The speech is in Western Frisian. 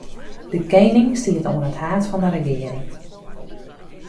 De kening stiet oan it haad fan 'e regearing.